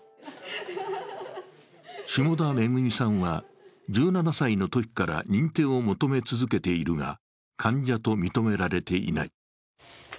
下田恵さんは、１７歳のときから認定を求め続けているが、患者と認められていない。